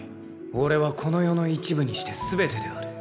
俺はこの世の一部にして全てである。